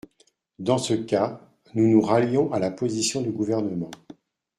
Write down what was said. Dans ce cas, nous nous rallions à la position du Gouvernement.